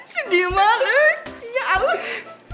si diman ya allah